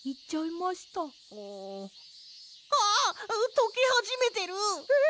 とけはじめてる！え！？